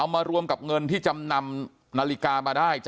มารวมกับเงินที่จำนำนาฬิกามาได้